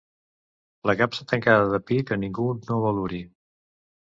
La capsa tancada de pi que ningú no vol obrir.